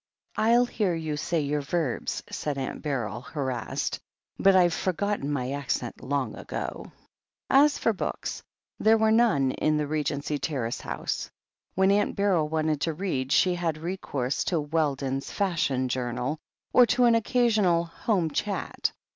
"I'll hear you say your verbs," said Aunt Beryl, harassed, "but I've forgotten my accent long ago." i8 THE HEEL OF ACHILLES As for books, there were none in the Regency Ter race house. When Aunt Beryl wanted to read, she had recourse to Weldon's Fashion Journal, or to an occasional Home Chat.